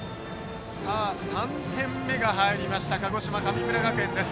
３点目が入りました鹿児島・神村学園です。